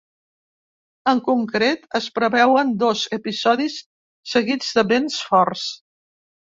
En concret, es preveuen dos episodis seguits de vents forts.